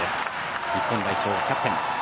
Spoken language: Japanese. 日本代表のキャプテン。